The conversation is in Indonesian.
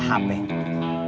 saya bisa beliin dia hp baru